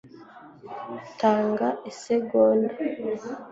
tanga isegonda